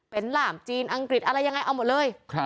เป็นหล่ามจีนอังกฤษอะไรยังไงเอาหมดเลย